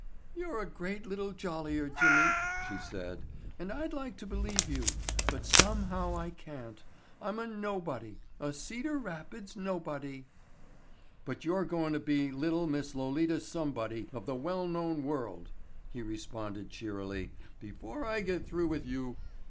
"You're a great little jollier, Jimmy," she, said, "and I'd like to believe you, but somehow I can't. I'm a nobody, a Cedar Rapids' nobody." "But you're goin' to be little Miss Lolita Somebody of the well known world," he responded cheerily, "before I get through with you.